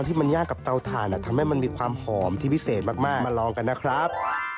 ที่มันยากกับเตาถ่านทำให้มันมีความหอมที่พิเศษมากมาลองกันนะครับ